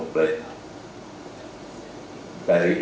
ini adalah informasi yang saya terima